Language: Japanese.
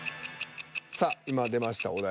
さあ今出ましたお題